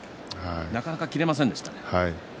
なかなか切れませんでしたね。